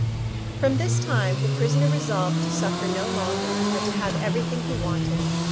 From this time the prisoner resolved to suffer no longer, but to have everything he wanted.